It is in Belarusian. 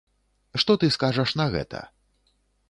Што ты скажаш на гэта?